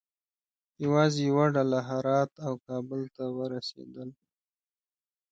یوازې یوه ډله هرات او کابل ته ورسېدل.